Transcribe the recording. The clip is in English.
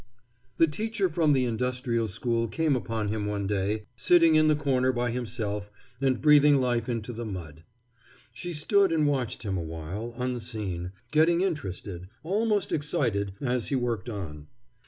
The teacher from the Industrial School came upon him one day, sitting in the corner by himself, and breathing life into the mud. She stood and watched him awhile, unseen, getting interested, almost excited, as he worked on.